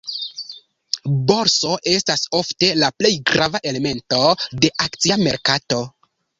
Borso estas ofte la plej grava elemento de akcia merkato.